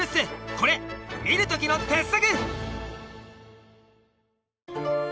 これ見るときの鉄則！